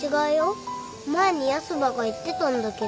前にヤスばが言ってたんだけど。